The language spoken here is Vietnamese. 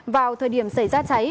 vào thời điểm xảy ra cháy